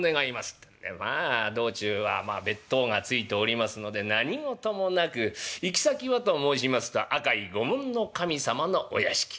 ってんでまあ道中は別当がついておりますので何事もなく行き先はと申しますと赤井御門守様のお屋敷。